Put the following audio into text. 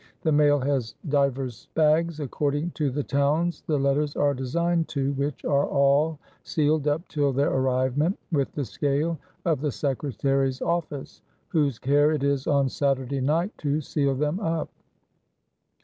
The maile has divers baggs, according to the townes the letters are designed to, which are all sealed up till their arrivement, with the scale of the Secretarie's Office, whose care it is on Saturday night to seale them up.